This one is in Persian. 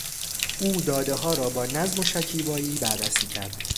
او دادهها را با نظم و شکیبایی بررسی کرد.